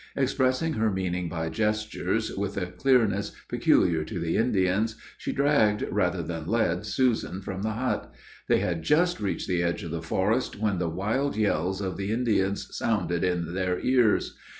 Expressing her meaning by gestures, with a clearness peculiar to the Indians, she dragged rather than led Susan from the hut. They had just reached the edge of the forest when the wild yells of the Indians sounded in their ears.